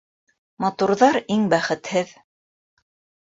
Матурҙар иң бәхетһеҙ.